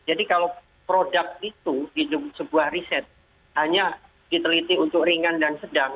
jadi kalau produk itu di sebuah riset hanya diteliti untuk ringan dan sedang